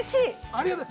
ありがとう。